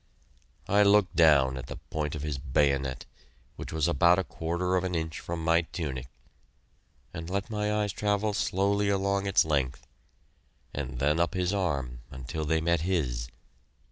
I looked down at the point of his bayonet, which was about a quarter of an inch from my tunic, and let my eyes travel slowly along its length, and then up his arm until they met his!